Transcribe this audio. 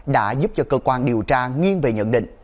đã giúp cho cơ quan điều tra nghiêng về nhận định